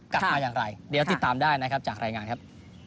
กลับมาอย่างไรเดี๋ยวติดตามได้นะครับจากรายงานครับ